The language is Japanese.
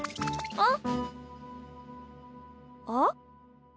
あっ？